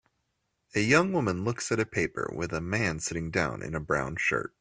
A young woman looks at a paper with a man sitting down in a brown shirt